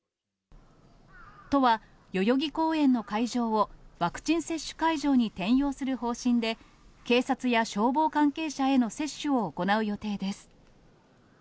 都は代々木公園の会場を、ワクチン接種会場に転用する方針で、警察や消防関係者への接種を行う予定です。